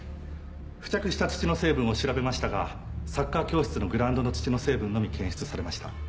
付着した土の成分を調べましたがサッカー教室のグラウンドの土の成分のみ検出されました。